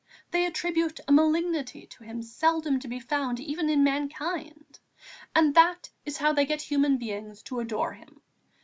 They attribute a malignity to him seldom to be found even in mankind. And that is how they get human beings to adore Him.